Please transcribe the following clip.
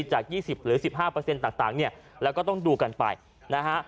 จาก๒๐หรือ๑๕ต่างเนี่ยแล้วก็ต้องดูกันไปนะฮะ